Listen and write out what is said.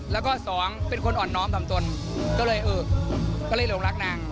แล้วก็สองคนอ่อนน้อมทำตนก็เลยเออก็เลยหลงรักนาง